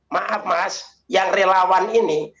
maaf mas yang relawan ini